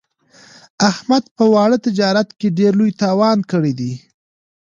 احمد په واړه تجارت کې ډېر لوی تاوان کړی دی.